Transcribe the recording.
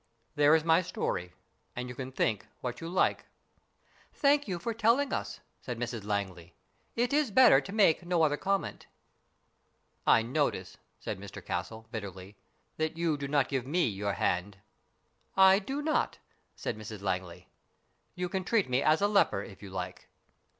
There is my story, and you can think what you like." " Thank you for telling us," said Mrs Langley. " It is better to make no other comment." " I notice," said Mr Castle, bitterly, " that you do not give me your hand." " I do not," said Mrs Langley. " You can treat me as a leper if you like."